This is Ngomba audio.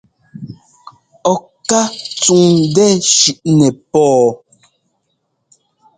Ɔ ká tsúŋ ńdɛ́ shʉʼnɛ pó.